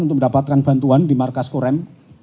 untuk mendapatkan bantuan di markas korem